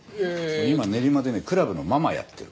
今練馬でねクラブのママやってる。